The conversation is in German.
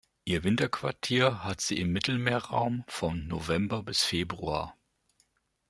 Ihr Winterquartier hat sie im Mittelmeerraum von November bis Februar.